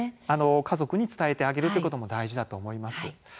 家族に伝えてあげるということも大事だと思います。